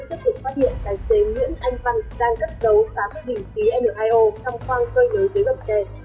tiếp tục phát hiện tài xế nguyễn anh văn đang cất dấu tám bình phí nio trong khoang cây nới dưới bầm xe